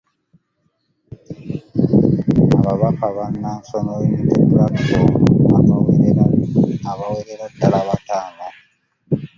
Ababaka ba National Unity Platform abawerera ddala bataano.